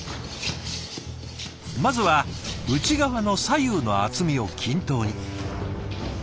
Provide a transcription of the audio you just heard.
まずは内側の左右の厚みを均等に。